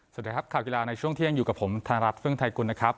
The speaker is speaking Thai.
สวัสดีครับข่าวกีฬาในช่วงเที่ยงอยู่กับผมทางรัฐฟึ่งไทยกุลนะครับ